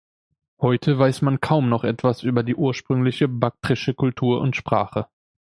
Heute weiß man kaum noch etwas über die ursprüngliche baktrische Kultur und Sprache.